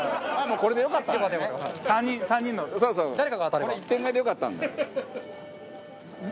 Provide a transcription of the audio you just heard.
これ一点買いでよかったんだ。